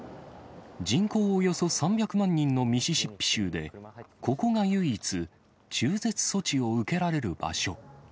人口およそ３００万人のミシシッピ州で、ここが唯一、中絶措置を受けられる場所。